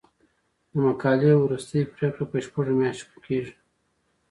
د مقالې وروستۍ پریکړه په شپږو میاشتو کې کیږي.